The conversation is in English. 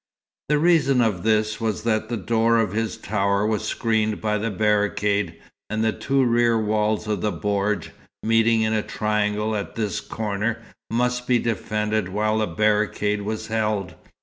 The reason of this was that the door of his tower was screened by the barricade, and the two rear walls of the bordj (meeting in a triangle at this corner) must be defended while the barricade was held.